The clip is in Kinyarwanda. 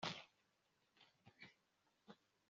aka kanyaburacyeye